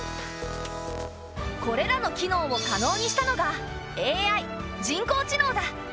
これらの機能を可能にしたのがＡＩ人工知能だ。